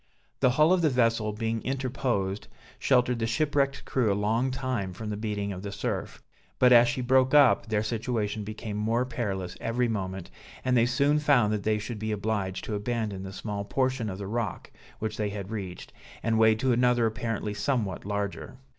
The hull of the vessel being interposed, sheltered the shipwrecked crew a long time from the beating of the surf; but as she broke up, their situation became more perilous every moment, and they soon found that they should be obliged to abandon the small portion of the rock, which they had reached, and wade to another apparently somewhat larger.